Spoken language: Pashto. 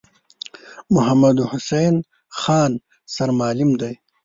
محمدحسین خان سرمعلم دی.